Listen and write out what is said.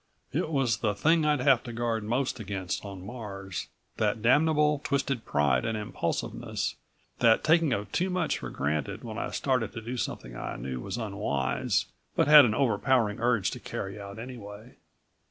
It was the thing I'd have to guard most against on Mars, that damnable twisted pride and impulsiveness, that taking of too much for granted when I started to do something I knew was unwise, but had an overpowering urge to carry out anyway.